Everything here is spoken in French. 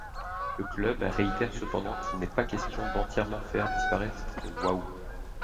Le club réitère cependant qu'il n'est pas question d'entièrement faire disparaître Wahoo.